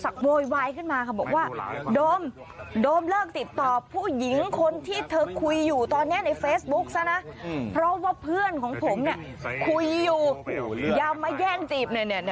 คุยอยู่ย้ำมาแย่งเจ็บเนื่องด้วยเนี่ยเนี่ย